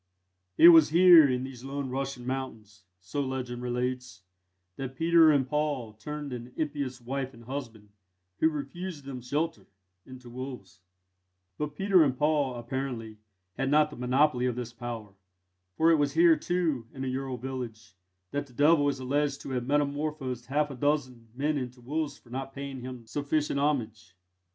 It was here, in these lone Russian mountains, so legend relates, that Peter and Paul turned an impious wife and husband, who refused them shelter, into wolves: but Peter and Paul, apparently, had not the monopoly of this power; for it was here, too, in a Ural village, that the Devil is alleged to have metamorphosed half a dozen men into wolves for not paying him sufficient homage.